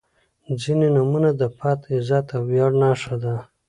• ځینې نومونه د پت، عزت او ویاړ نښه ده.